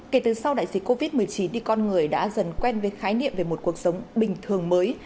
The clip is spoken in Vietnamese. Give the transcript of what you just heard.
kể từ sau đại dịch covid một mươi chín con người đã dần quen với khái niệm về một cuộc sống bình thường mới